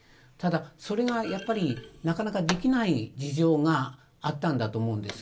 ただやっぱりそれがなかなかできない事情があったんだと思います。